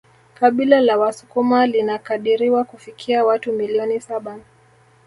Kabila la wasukuma linakadiriwa kufikia watu milioni saba